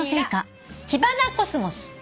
キバナコスモス。